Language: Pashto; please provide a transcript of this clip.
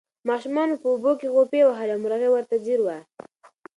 ماشومانو په اوبو کې غوپې وهلې او مرغۍ ورته ځیر وه.